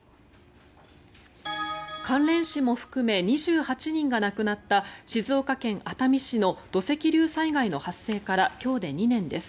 関連死も含め２８人が亡くなった静岡県熱海市の土石流災害の発生から今日で２年です。